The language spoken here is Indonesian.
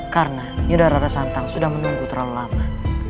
karena yudhara rasantang sudah menunggu terlalu lama